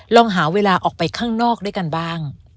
ลองหาเวลาออกไปข้างนอกด้วยกันบ้าง